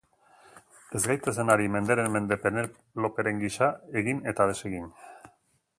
Ez gaitezen ari menderen mende Peneloperen gisa, egin eta desegin.